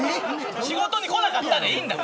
仕事に来なかったでいいんだよ。